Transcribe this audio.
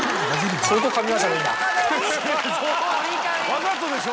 わざとでしょ？